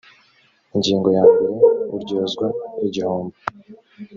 ingingo yambere uryozwa igihombo